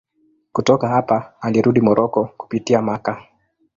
Kutoka hapa alirudi Moroko kupitia Makka.